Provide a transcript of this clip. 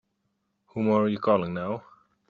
Whom are you calling now?